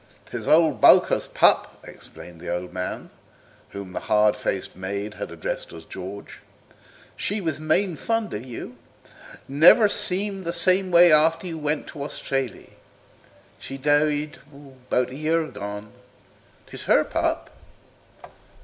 "'Tis old Bowker's pup," explained the old man, whom the hard faced maid had addressed as George. "She was main fond of you; never seemed the same after you went away to Australee. She died 'bout a year agone. 'Tis her pup."